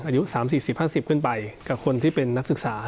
อายุสามสี่สี่ห้าสิบขึ้นไปกับคนที่เป็นนักศึกษา